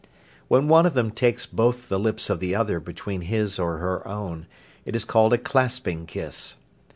When one of them takes both the lips of the other between his or her own, it is called "a clasping kiss."